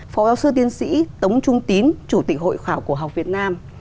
phó giáo sư tiến sĩ tống trung tín chủ tịch hội khảo cổ học việt nam